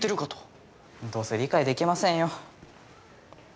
どうせ理解できませんよ。